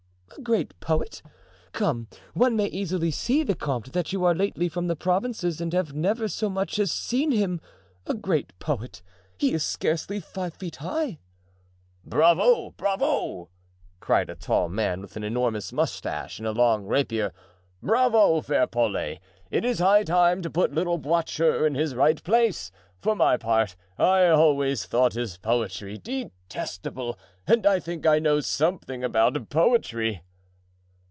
"A great poet! come, one may easily see, vicomte, that you are lately from the provinces and have never so much as seen him. A great poet! he is scarcely five feet high." "Bravo bravo!" cried a tall man with an enormous mustache and a long rapier, "bravo, fair Paulet, it is high time to put little Voiture in his right place. For my part, I always thought his poetry detestable, and I think I know something about poetry."